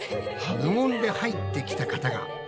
無言で入ってきた方が。